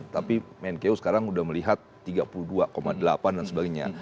tapi mnku sekarang sudah melihat rp tiga puluh dua delapan ratus dan sebagainya